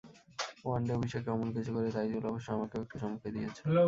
One day অভিষেকে অমন কিছু করে তাইজুল অবশ্য আমাকেও একটু চমকে দিয়েছে।